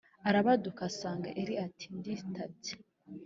Arabaduka asanga Eli ati Nditabye